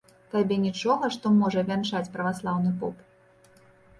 Табе нічога, што можа вянчаць праваслаўны поп?